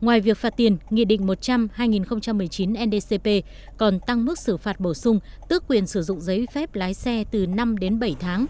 ngoài việc phạt tiền nghị định một trăm linh hai nghìn một mươi chín ndcp còn tăng mức xử phạt bổ sung tước quyền sử dụng giấy phép lái xe từ năm đến bảy tháng